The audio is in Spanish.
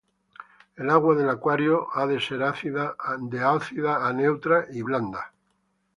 El agua del acuario debe ser de ácida a neutra y blanda.